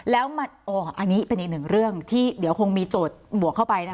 แล้วอันนี้เป็นอีกหนึ่งเรื่องที่เดี๋ยวคงมีโจทย์บวกเข้าไปนะคะ